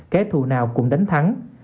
kẻ thù nào cũng đánh thắng